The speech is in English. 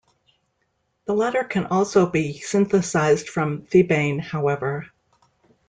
The latter can also be synthesized from thebaine, however.